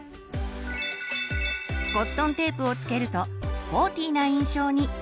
コットンテープを付けるとスポーティーな印象に。